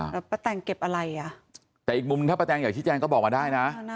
แล้วป้าแตงเก็บอะไรอ่ะแต่อีกมุมถ้าป้าแตงอยากชี้แจงก็บอกมาได้นะ